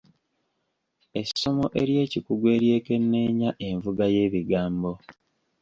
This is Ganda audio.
Essomo ery'ekikugu eryekenneenya envuga y'ebigambo.